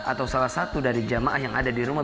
atau salah satu dari jamaah yang ada di rumah